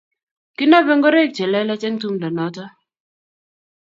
Ki nobei ngoroik che lelach eng' tumdo noto